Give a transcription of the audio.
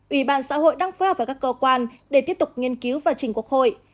ủy ban xã hội đang phối hợp với các cơ quan để tiếp tục nghiên cứu và trình quốc hội